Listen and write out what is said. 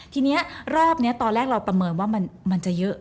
ทีนี้รอบนี้ตอนแรกเราประเมินว่ามันจะเยอะ